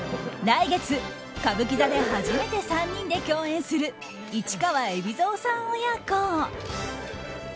来月、歌舞伎座で初めて３人で共演する市川海老蔵さん親子。